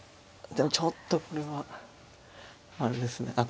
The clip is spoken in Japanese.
でもちょっとこれはあれですね。